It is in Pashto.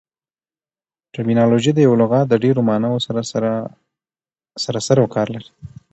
ټرمینالوژي د یوه لغات د ډېرو ماناوو سره سر او کار لري.